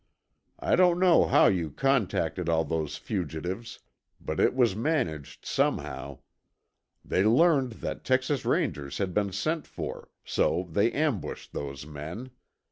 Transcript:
I don't know how you contacted all those fugitives, but it was managed somehow. They learned that Texas Rangers had been sent for, so they ambushed those men.